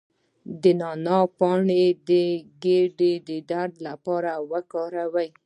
د نعناع پاڼې د ګیډې د درد لپاره وکاروئ